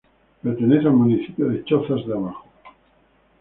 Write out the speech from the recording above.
Pertenece al municipio de Chozas de Abajo.